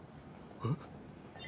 えっ？